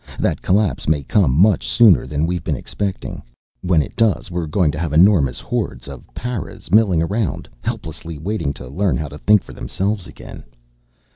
That collapse may come much sooner than we've been expecting. When it does we're going to have enormous hordes of paras milling around, helplessly waiting to learn how to think for themselves again.